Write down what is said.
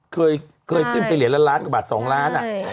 เคยเคยขึ้นไปเหรียญล้านล้านกับบาทสองล้านอ่ะใช่